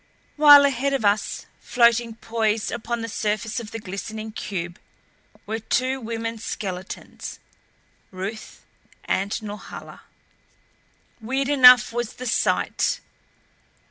While ahead of us, floating poised upon the surface of the glistening cube, were two women skeletons Ruth and Norhala! Weird enough was the sight.